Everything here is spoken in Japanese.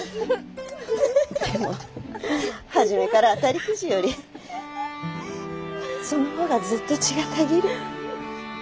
でも初めから当たりくじよりそのほうがずっと血がたぎる。